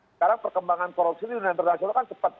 sekarang perkembangan korupsi di dunia internasional kan cepat